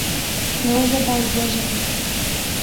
يوه ژبه او دوه ژبې